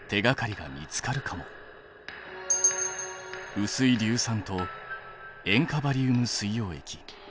うすい硫酸と塩化バリウム水溶液。